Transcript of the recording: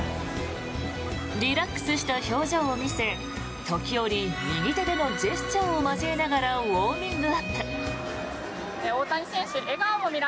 リラックスした表情を見せ時折、右手でのジェスチャーを交えながらウォーミングアップ。